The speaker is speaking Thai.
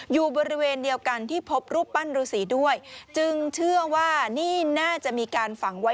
คุณผู้ชมฟังเสียงพระบุญโยงพูดถึงเรื่องนี้กันหน่อยค่ะ